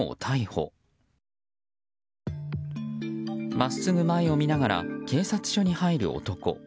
真っすぐ前を見ながら警察署に入る男。